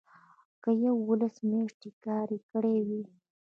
که یوولس میاشتې کار یې کړی وي.